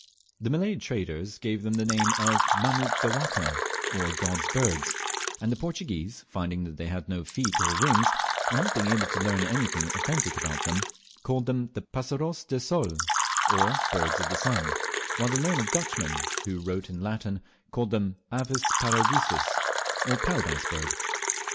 The Malay traders gave them the name of "Manuk dewata," or God's birds; and the Portuguese, finding that they had no feet or wings, and not being able to learn anything authentic about then, called them "Passaros de Col," or Birds of the Sun; while the learned Dutchmen, who wrote in Latin, called them "Avis paradiseus," or Paradise Bird.